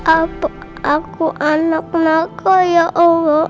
aku anak anaknya kayak allah